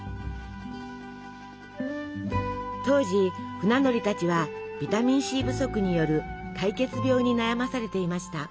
当時船乗りたちはビタミンＣ不足による壊血病に悩まされていました。